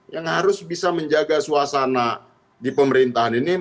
yang harus bisa menjaga suasana di pemerintahan ini